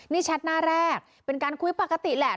นี่แชทหน้าแรกเป็นการคุยปกติแหละ